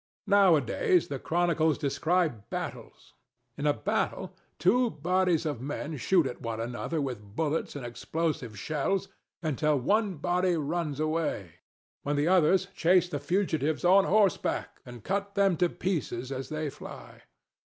Nowadays the chronicles describe battles. In a battle two bodies of men shoot at one another with bullets and explosive shells until one body runs away, when the others chase the fugitives on horseback and cut them to pieces as they fly.